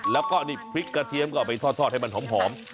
แล้วก็นี่พริกกระเทียมก็เอาไปทอดให้มันหอม